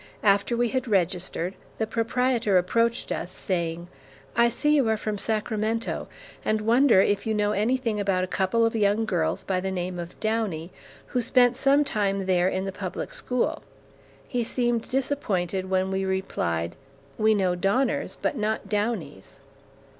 After we had registered, the proprietor approached us, saying: 'I see you are from Sacramento, and wonder if you know anything about a couple of young girls by the name of Downie, who spent some time there in the public school?' He seemed disappointed when we replied, 'We know Donners, but not Downies.'